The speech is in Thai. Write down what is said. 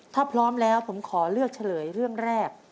ถ้าพร้อมแล้วผมขอเลือกเฉลยเรื่องแรก